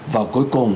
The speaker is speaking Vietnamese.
và cuối cùng